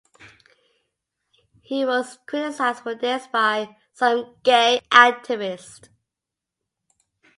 He was criticized for this by some gay activists.